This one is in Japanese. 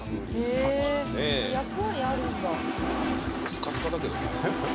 スカスカだけどね。